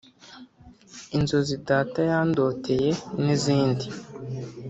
Inzozi data Yandoteye n’izindi